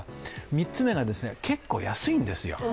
３つ目が、結構安いんですよ。